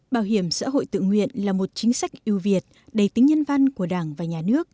bảo hiểm xã hội tự nguyện là một chính sách ưu việt đầy tính nhân văn của đảng và nhà nước